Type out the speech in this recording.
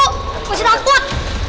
gak mau takut